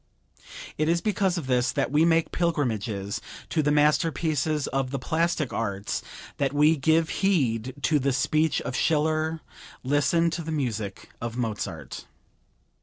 It is because of this that we make pilgrimages to the masterpieces of the plastic arts, that we give heed to the speech of Schiller, listen to the music of Mozart.